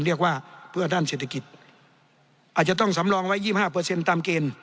เรียกว่าเพื่อด้านเศรษฐกิจอาจจะต้องสำรองไว้๒๕ตามเกณฑ์